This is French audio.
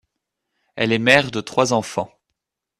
Elle est mère de trois enfants.